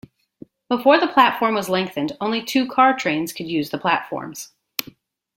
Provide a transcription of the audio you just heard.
Before the platform was lengthened, only two car trains could use the platforms.